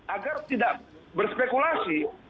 agar tidak berspekulasi